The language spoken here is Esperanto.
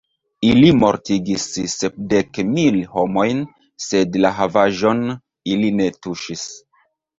Ili mortigis sepdek mil homojn, sed la havaĵon ili ne tuŝis.